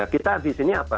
kita di sini apa